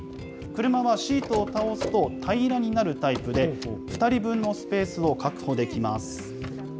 車はシートを倒すと平らになるタイプで、２人分のスペースを確保できます。